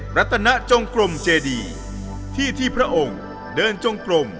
รัตนจงกรมเจดีที่ที่พระองค์เดินจงกลม